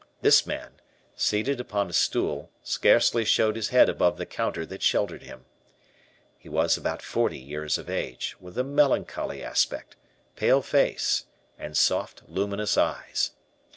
This man, seated upon a stool, scarcely showed his head above the counter that sheltered him. He was about forty years of age, with a melancholy aspect, pale face, and soft luminous eyes.